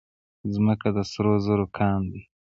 ځمکه د سرو زرو کان دی.